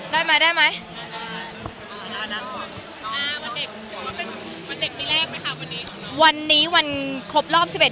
ได้ไหมได้ไหมได้โอเคนะวันนี้วันครบรอบสิบเอ็ด